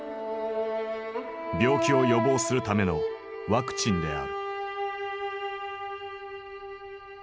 病気を予防するためのワクチンである。